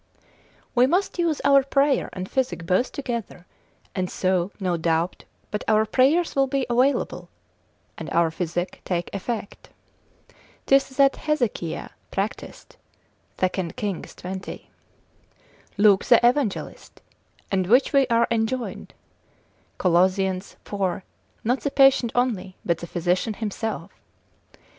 We must use our prayer and physic both together: and so no doubt but our prayers will be available, and our physic take effect. 'Tis that Hezekiah practised, 2 King. xx. Luke the Evangelist: and which we are enjoined, Coloss. iv. not the patient only, but the physician himself.